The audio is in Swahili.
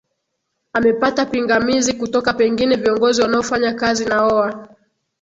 amepata pingamizi kutoka pengine viongozi wanaofanya kazi naoa